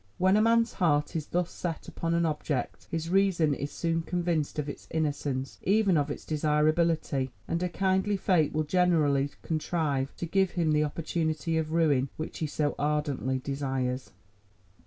When a man's heart is thus set upon an object, his reason is soon convinced of its innocence, even of its desirability, and a kindly fate will generally contrive to give him the opportunity of ruin which he so ardently desires.